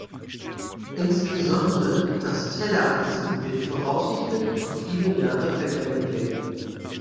Insbesondere das Tellereisen wird voraussichtlich noch viele Jahre verwendet werden.